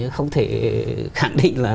không thể khẳng định là